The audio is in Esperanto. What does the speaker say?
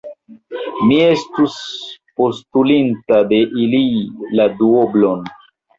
Mi estus postulinta de ili la duoblon.